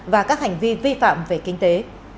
và các hành vi vi phạm về kinh tế